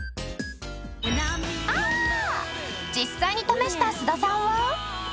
実際に試した須田さんは。